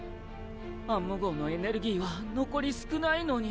アンモ号のエネルギーは残り少ないのに。